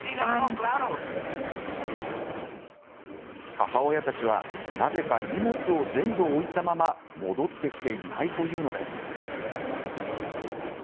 母親たちはなぜか荷物を全部置いたまま戻ってきていないというのです。